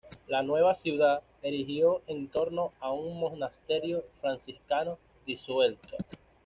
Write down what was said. La nueva ciudad se erigió en torno de un monasterio franciscano disuelto.